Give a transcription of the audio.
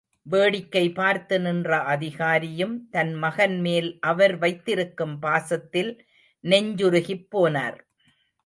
வேடிக்கை பார்த்து நின்ற அதிகாரியும், தன் மகன் மேல் அவர் வைத்திருக்கும் பாசத்தில் நெஞ்சுருகிப் போனார்.